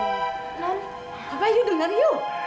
kenapa yu denger yu